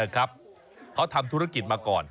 เขาทำธุรกิจมาก่อน